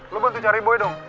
lo bantu cari buy dong